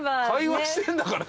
会話してんだから。